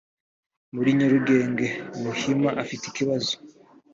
muri nyarugugenge muhima afite ikibazo